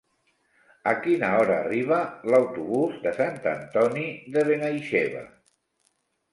A quina hora arriba l'autobús de Sant Antoni de Benaixeve?